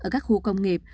ở các khu công nghiệp